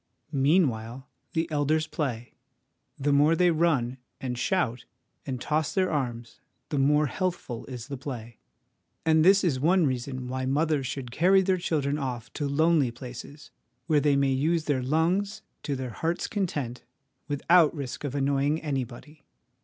Meanwhile, the elders play; the more they run, and shout, and toss their arms, the more healthful is the play. And this is one reason why mothers should carry their children off to lonely places, where they may use their lungs to their hearts' content without risk of annoying anybody.